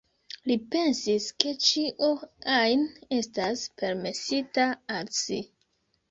Li pensis ke ĉio ajn estas permesita al si.